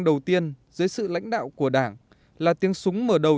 đầu tiên dưới sự lãnh đạo của đảng là tiếng súng mở đầu